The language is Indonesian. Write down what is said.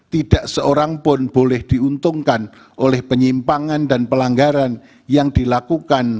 tidak seorang pun boleh diuntungkan oleh penyimpangan dan pelanggaran yang dilakukan